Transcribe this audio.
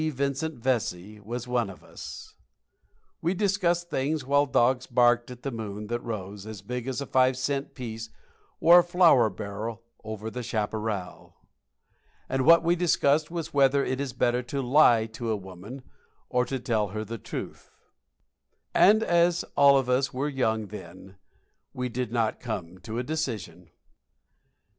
Vincent Vesey was one of us. We discussed things while dogs barked at the moon that rose, as big as a five cent piece or a flour barrel, over the chaparral. And what we discussed was whether it is better to lie to a woman or to tell her the truth. And as all of us were young then, we did not come to a decision.